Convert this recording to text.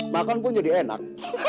hanya sudah sabar